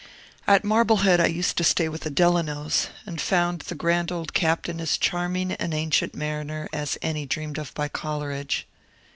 At Marblehead I used to stay with the Delanos, and found the grand old captain as chaiining an Ancient Mariner as any dreamed of by Coleridge.